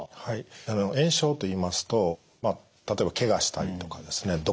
はい炎症といいますと例えばけがしたりとかですね